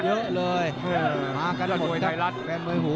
เยอะเลยมากันพวกแฟนมวยหู